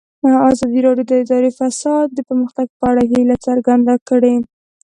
ازادي راډیو د اداري فساد د پرمختګ په اړه هیله څرګنده کړې.